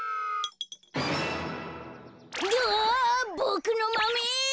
どわボクのマメ！